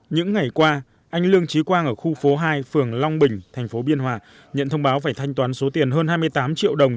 những ngày qua anh lương trí quang ở khu phố hai phường long bình thành phố biên hòa nhận thông báo phải thanh toán số tiền hơn hai mươi tám triệu đồng